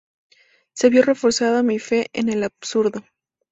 Se vio reforzada mi fe en el absurdo".